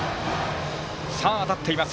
当たっています